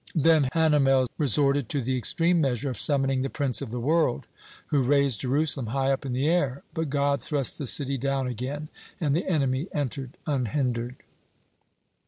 Then Hanamel resorted to the extreme measure of summoning the Prince of the World, who raised Jerusalem high up in the air. But God thrust the city down again, and the enemy entered unhindered.